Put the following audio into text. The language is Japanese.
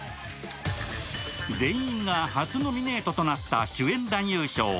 全員が初ノミネートとなった主演男優賞。